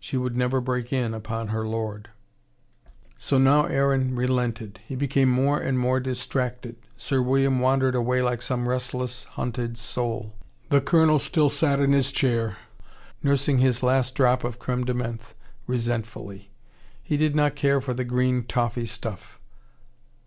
She would never break in upon her lord. So now Aaron relented. He became more and more distracted. Sir William wandered away like some restless, hunted soul. The Colonel still sat in his chair, nursing his last drop of creme de menthe resentfully. He did not care for the green toffee stuff.